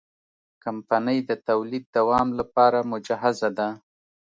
کمپنۍ د تولید دوام لپاره مجهزه ده.